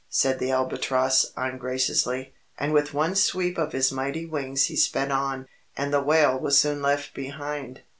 said the Albatross ungraciously. And with one sweep of his mighty wings he sped on, and the Whale was soon left behind.